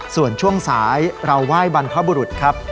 ส่วนช่วงสายเราไหว้บรรพบุรุษครับ